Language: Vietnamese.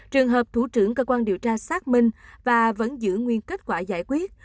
trường hợp thủ trưởng cơ quan điều tra xác minh và vẫn giữ nguyên kết quả giải quyết